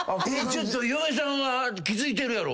嫁さんは気付いてるやろ。